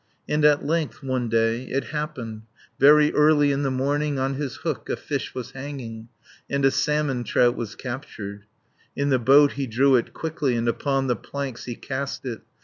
And at length one day it happened, Very early in the morning, On his hook a fish was hanging, And a salmon trout was captured. In the boat he drew it quickly, And upon the planks he cast it.